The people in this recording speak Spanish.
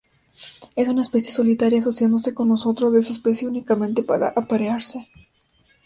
Es una especie solitaria, asociándose con los otros de su especie únicamente para aparearse.